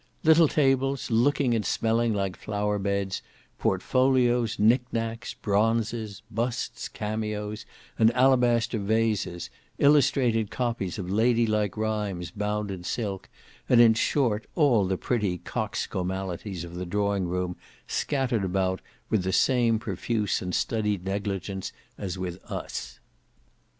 Little tables, looking and smelling like flower beds, portfolios, nick nacks, bronzes, busts, cameos, and alabaster vases, illustrated copies of ladylike rhymes bound in silk, and, in short, all the pretty coxcomalities of the drawing room scattered about with the same profuse and studied negligence as with us.